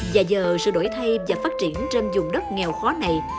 và giờ sự đổi thay và phát triển trên dùng đất nghèo khó này